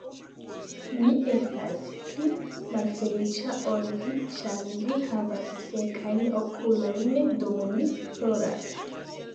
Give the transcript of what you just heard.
Mi estas pli malfeliĉa ol vi, ĉar vi havas sekajn okulojn, dum mi ploras.